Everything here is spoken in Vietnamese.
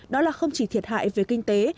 đó là không chỉ thiệt hại về kinh tế